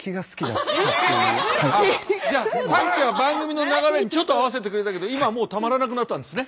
じゃあさっきは番組の流れにちょっと合わせてくれたけど今はもうたまらなくなったんですね。